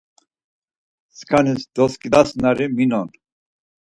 Skanis doskidasnari minon?